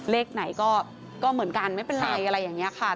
เลขไหนก็เหมือนกันไม่เป็นไรอะไรอย่างนี้ค่ะ